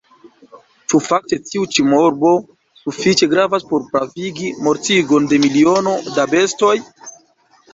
Ĉu fakte tiu ĉi morbo sufiĉe gravas por pravigi mortigon de miliono da bestoj?